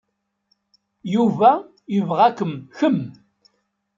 Yuba yebɣa-kem kemm.